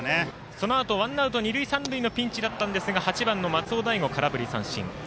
そのあとワンアウト二塁三塁のピンチだったんですが８番の松尾大悟、空振り三振。